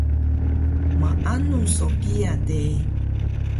Maanu so kiya de